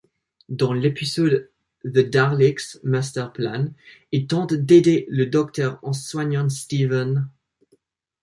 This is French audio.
Dans l'épisode The Daleks' Master Plan elle tente d'aider le Docteur en soignant Steven.